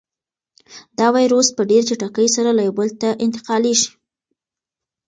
دا وېروس په ډېرې چټکۍ سره له یو بل ته انتقالېږي.